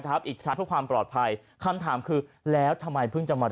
อีกชั้นเพื่อความปลอดภัยคำถามคือแล้วทำไมเพิ่งจะมา